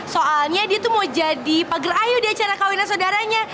soalnya dia tuh mau jadi pager ayo di acara kawinan saudaranya